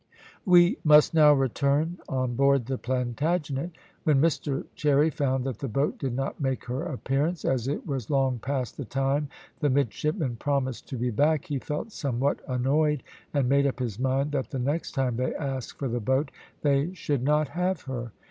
We must now return on board the Plantagenet. When Mr Cherry found that the boat did not make her appearance, as it was long past the time the midshipmen promised to be back, he felt somewhat annoyed, and made up his mind that the next time they asked for the boat they should not have her.